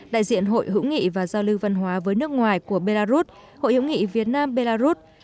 đại diện hội hữu nghị và giao lưu văn hóa với nước ngoài của belarus hội hữu nghị việt nam belarus